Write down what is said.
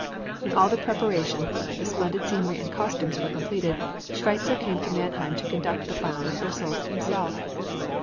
When all the preparations, the splendid scenery and costumes were completed, Schweitzer came to Mannheim to conduct the final rehearsals himself.